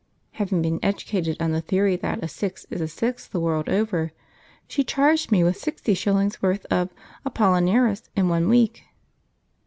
Having been educated on the theory that a six is a six the world over, she charged me with sixty shillings' worth of Apollinaris in one week.